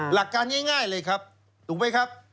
หลักการง่ายเลยครับถูกไหมครับ